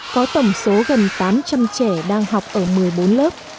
có tổng số gần tám trăm linh trẻ đang học ở một mươi bốn lớp